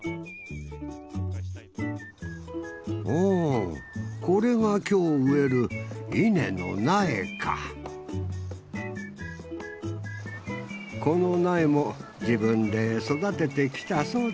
おこれが今日植える稲の苗かこの苗も自分で育ててきたそう